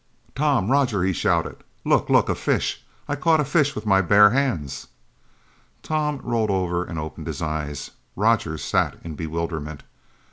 "Tom Roger " he shouted. "Look look a fish I caught a fish with my bare hands!" Tom rolled over and opened his eyes. Roger sat in bewilderment.